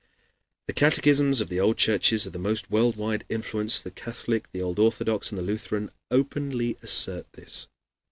The catechisms of the churches of the most world wide influence the Catholic, the Old Orthodox, and the Lutheran openly assert this.